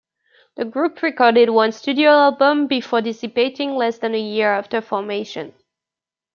The group recorded one studio album before dissipating less than a year after formation.